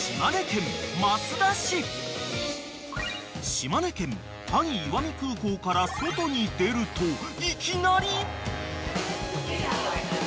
［島根県萩・石見空港から外に出るといきなり］